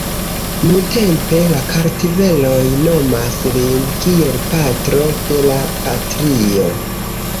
Nuntempe la kartveloj nomas lin kiel "Patro de la Patrio".